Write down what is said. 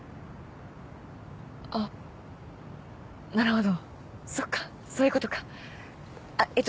あっなるほどそっかそういうことあっえっと